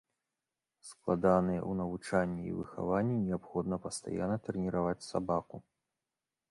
Складаныя ў навучанні і выхаванні, неабходна пастаянна трэніраваць сабаку.